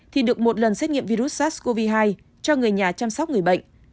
thì được một lần xét nghiệm virus sars cov hai cho người nhà chăm sóc người bệnh